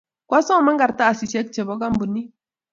Kwasomon kartasisiek chebo kampunit.